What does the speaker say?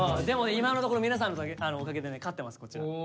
今のところ皆さんのおかげでね勝ってますこちら。